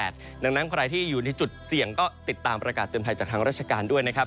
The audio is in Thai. ดังนั้นใครที่อยู่ในจุดเสี่ยงก็ติดตามประกาศเตือนภัยจากทางราชการด้วยนะครับ